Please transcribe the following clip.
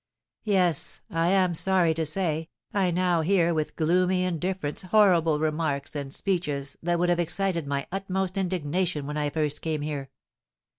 Yes, I am sorry to say, I now hear with gloomy indifference horrible remarks and speeches that would have excited my utmost indignation when I first came here.